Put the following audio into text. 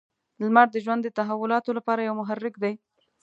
• لمر د ژوند د تحولاتو لپاره یو محرک دی.